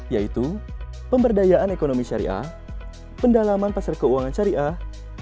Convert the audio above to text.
yaitu pemberdayaan ekonomi syariah pendalaman pasar keuangan syariah